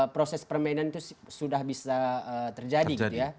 proses permainan itu sudah bisa terjadi